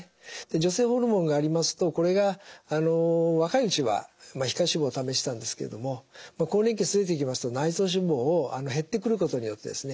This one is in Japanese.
女性ホルモンがありますとこれが若いうちは皮下脂肪ためてたんですけれども更年期過ぎてきますと減ってくることによってですね